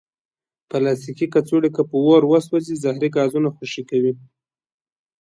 پلاستيکي کڅوړې که په اور وسوځي، زهري ګازونه خوشې کوي.